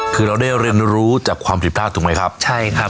คือเราได้เรียนรู้จากความผิดพลาดถูกไหมครับใช่ครับ